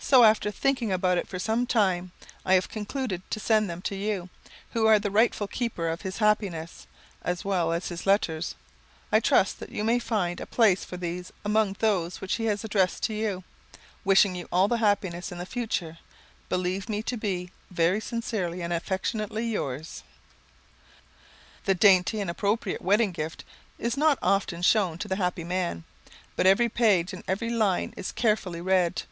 "So, after thinking about it for some time, I have concluded to send them to you, who are the rightful keeper of his happiness, as well as of his letters. I trust that you may find a place for these among those which he has addressed to you. Wishing you all happiness in the future, believe me to be "Very sincerely and affectionately yours." [Sidenote: On the Firing Line] The dainty and appropriate wedding gift is not often shown to the happy man, but every page and every line is carefully read.